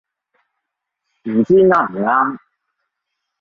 唔知啱唔啱